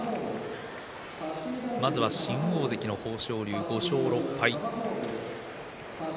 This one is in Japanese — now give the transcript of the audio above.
まずは新大関の豊昇龍、５勝６敗。